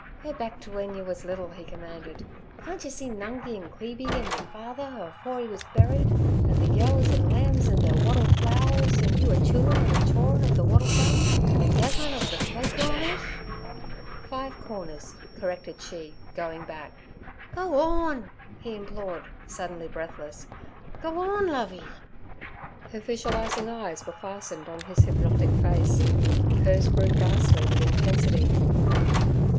'Go back t' wen yer wuz liddle' he commanded. 'Can't yer see Nungi and Queeby, an' yer father, afore 'e wuz buried, an' ther yeos and lambs and ther wattle flow wers, an' you a chewin' and a chawin' of ther wattle gum, an' a getherin' of ther fi' corners.' 'Five corners' corrected she, going back. 'Go orn!' he implored, suddenly breathless. 'Go orn, Lovey!' Her visualizing eyes were fastened on his hypnotic face. Hers grew ghastly with intensity.